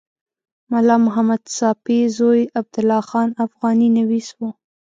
ملا محمد ساپي زوی عبدالله خان افغاني نویس و.